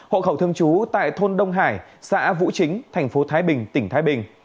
hộ khẩu thường trú tại thôn đông hải xã vũ chính tp thái bình tỉnh thái bình